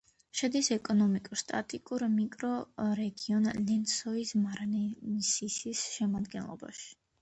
შედის ეკონომიკურ-სტატისტიკურ მიკრორეგიონ ლენსოის-მარანიენსისის შემადგენლობაში.